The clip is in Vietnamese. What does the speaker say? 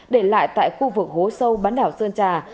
để lại tại khu vực hố sâu bán đảo sơn trà